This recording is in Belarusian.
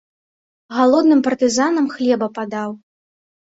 Галодным партызанам хлеба падаў.